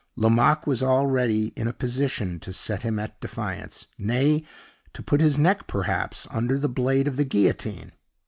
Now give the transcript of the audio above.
Lomaque was already in a position to set him at defiance nay, to put his neck, perhaps, under the blade of the guillotine.